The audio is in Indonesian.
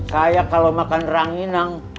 kayak kalau makan ranginang